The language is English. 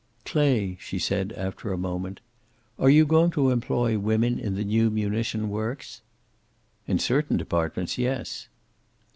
"Clay," she said, after a moment, "are you going to employ women in the new munition works?" "In certain departments, yes."